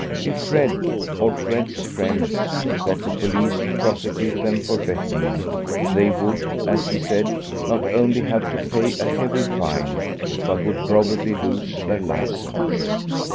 If Fred, or Fred's friends, got the police to prosecute them for betting, they would, as he said, not only have to pay a heavy fine, but would probably lose their licence.